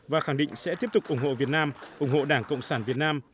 và khẳng định sẽ tiếp tục ủng hộ việt nam ủng hộ đảng cộng sản việt nam